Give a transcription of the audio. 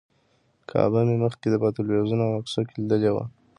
کعبه مې مخکې په تلویزیون او عکسونو کې لیدلې وه.